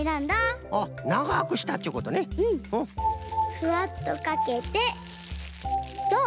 ふわっとかけてどう？